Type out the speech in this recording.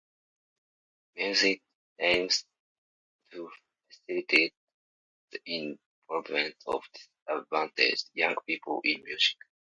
Mewsic aims to facilitate the involvement of disadvantaged young people in music.